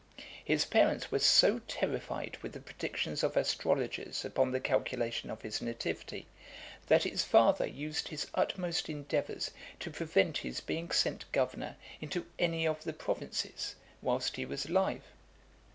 His parents were so (430) terrified with the predictions of astrologers upon the calculation of his nativity, that his father used his utmost endeavours to prevent his being sent governor into any of the provinces, whilst he was alive.